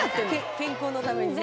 健康のためにね。